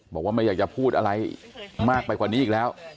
บอกว่าไม่อยากจะพูดอะไรมากไปกว่านี้อีกแล้ว